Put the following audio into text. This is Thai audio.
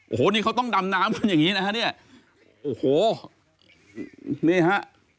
โอ้โหนี่เขาต้องดำน้ำกันอย่างนี้นะฮะเนี่ยโอ้โหนี่ฮะ